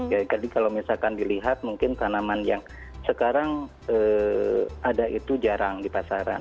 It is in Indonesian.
jadi kalau misalkan dilihat mungkin tanaman yang sekarang ada itu jarang di pasaran